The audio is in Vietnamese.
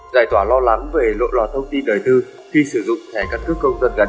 giải tỏa lo lắng về lộ lo thông tin đời tư khi sử dụng thẻ cắt cước công dân gắn